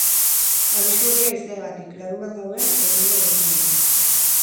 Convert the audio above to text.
Abisu horia haizeagatik, larunbat gauean eta igande goizaldean.